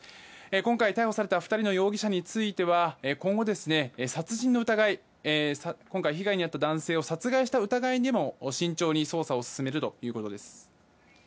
今回、逮捕された２人の容疑者については今後殺人の疑い、今回被害に遭った男性を殺害した疑いがあるとみて慎重に捜査を進めるということです。